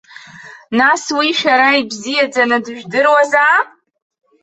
Нас уи шәара ибзиаӡаны дыжәдыруазаап?